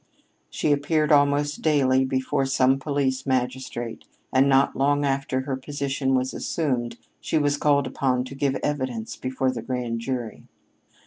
She appeared almost daily before some police magistrate, and not long after her position was assumed, she was called upon to give evidence before the grand jury.